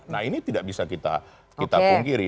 nah ini tidak bisa kita pungkiri